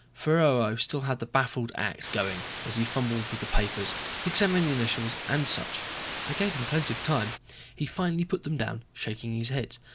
Ferraro still had the baffled act going as he fumbled with the papers, examined the initials and such. I gave him plenty of time. He finally put them down, shaking his head.